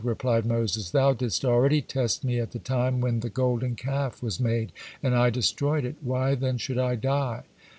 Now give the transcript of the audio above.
replied Moses, "Thou didst already test me at the time when the Golden Calf was made and I destroyed it. Why then should I die?"